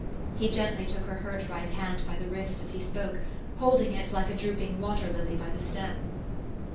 He gently took her hurt right hand by the wrist as he spoke, holding it like a drooping water lily by the stem.